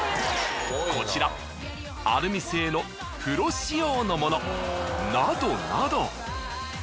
こちらアルミ製のプロ仕様のもの。などなど。